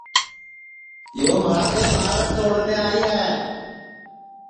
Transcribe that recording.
یو مھاریپ آڑس توڑنے آئی ہے